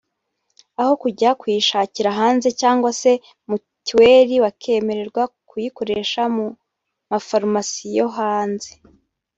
aho kujya kuyishakira hanze cyangwa se mituweli bakemererwa kuyikoresha mu mafarumasi yo hanze